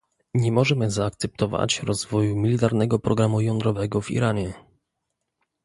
Nie możemy zaakceptować rozwoju militarnego programu jądrowego w Iranie